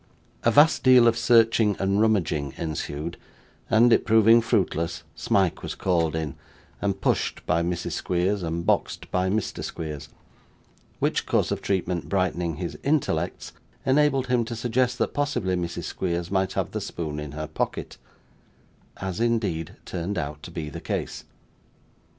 A vast deal of searching and rummaging ensued, and it proving fruitless, Smike was called in, and pushed by Mrs. Squeers, and boxed by Mr. Squeers; which course of treatment brightening his intellects, enabled him to suggest that possibly Mrs. Squeers might have the spoon in her pocket, as indeed turned out to be the case.